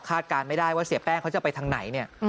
คาดการณ์ไม่ได้ว่าเสียแป้งเขาจะไปทางไหน